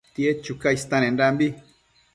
tied chuca istenendambi